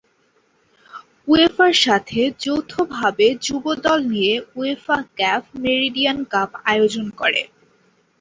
উয়েফার সাথে যৌথভাবে যুব দল নিয়ে উয়েফা-ক্যাফ মেরিডিয়ান কাপ আয়োজন করে।